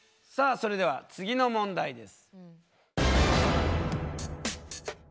それでは次の問題です。